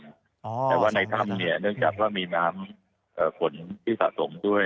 แต่ว่าในถ้ำเนี่ยเนื่องจากว่ามีน้ำฝนที่สะสมด้วย